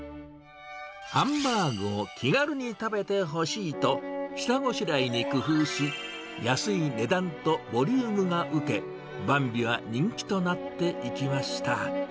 ハンバーグを気軽に食べてほしいと、下ごしらえに工夫し、安い値段とボリュームが受け、バンビは人気となっていきました。